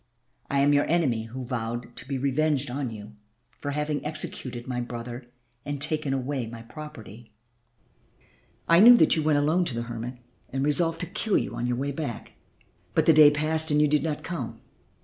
I am your enemy who vowed to be revenged on you for having executed my brother and taken away my property: I knew that you went alone to the hermit and resolved to kill you on your way back. But the day passed and you did not come.